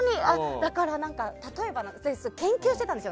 だから、例えばですが研究してたんですよ。